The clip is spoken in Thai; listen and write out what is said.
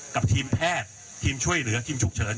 กับทีมแพทย์ทีมช่วยเหลือทีมฉุกเฉิน